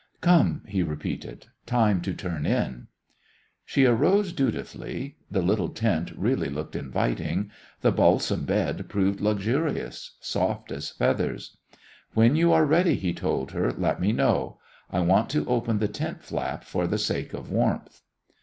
"Come," he repeated, "time to turn in." She arose dutifully. The little tent really looked inviting. The balsam bed proved luxurious, soft as feathers. "When you are ready," he told her, "let me know. I want to open the tent flap for the sake of warmth."